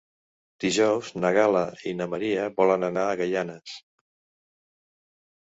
Dijous na Gal·la i na Maria volen anar a Gaianes.